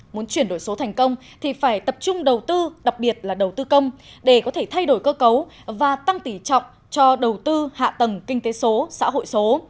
muốn chuyển đổi số thành công thì phải tập trung đầu tư đặc biệt là đầu tư công để có thể thay đổi cơ cấu và tăng tỷ trọng cho đầu tư hạ tầng kinh tế số xã hội số